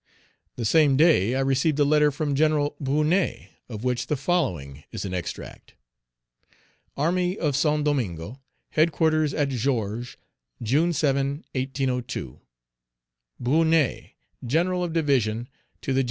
The same day I received a letter from Gen. Brunet, of which the following is an extract: "ARMY OF SAINT DOMINGO, "HEADQUARTERS AT GEORGES, June 7, 1802. "BRUNET, GEN. OF DIVISION, TO THE GEN.